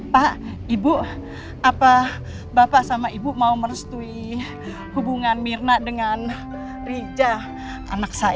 pak ibu apa bapak sama ibu mau merestui hubungan mirna dengan rijah anak saya